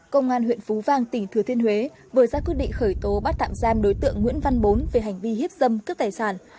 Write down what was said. công an huyện phú vang tỉnh thừa thiên huế vừa ra quyết định khởi tố bắt tạm giam đối tượng nguyễn văn bốn về hành vi hiếp dâm cướp tài sản